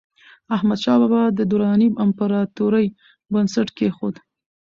احمدشاه بابا د دراني امپراتورۍ بنسټ کېښود.